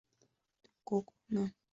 kutokana na kupingana kwa historia hizo